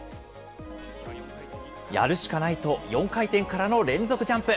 やるしかないと、４回転からの連続ジャンプ。